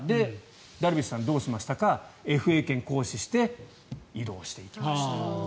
ダルビッシュさんどうしましたかＦＡ権を行使して異動していきました。